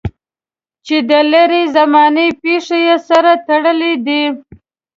چې د لرې زمانې پېښې یې سره تړلې دي.